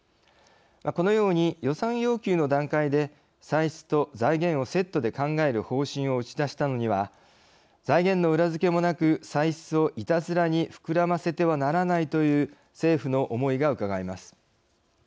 このように予算要求の段階で歳出と財源をセットで考える方針を打ち出したのには財源の裏付けもなく歳出をいたずらに膨らませてはならないという政府の思いがうかがえます。